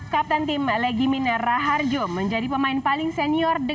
kapten tim legimin raharjo menjadi pemain paling senior